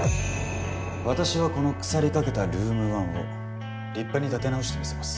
私はこの腐りかけたルーム１を立派に立て直してみせます。